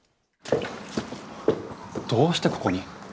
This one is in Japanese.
どうしてここに？